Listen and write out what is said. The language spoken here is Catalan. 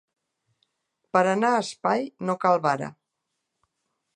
Per anar a espai no cal vara.